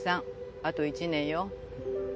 あと１年よ。